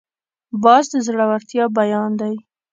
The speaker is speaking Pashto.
باز د زړورتیا بیان دی